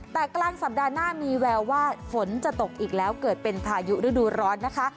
แต่กลางสัปดาห์หน้ามีแววว่าฝนจะตกอีกแล้วเกิดเป็นพายุฤดูร้อนนะคะ